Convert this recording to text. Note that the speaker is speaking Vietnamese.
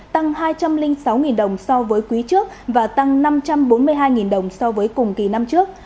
tăng hai trăm linh sáu đồng so với quý trước và tăng năm trăm bốn mươi hai đồng so với cùng kỳ năm trước